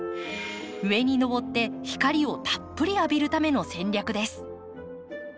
上にのぼって光をたっぷり浴びるための戦略です。